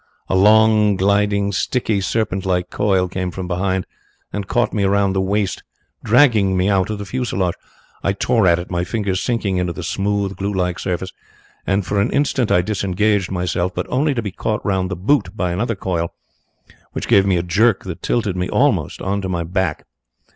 A long, gliding, sticky, serpent like coil came from behind and caught me round the waist, dragging me out of the fuselage. I tore at it, my fingers sinking into the smooth, glue like surface, and for an instant I disengaged myself, but only to be caught round the boot by another coil, which gave me a jerk that tilted me almost on to my back.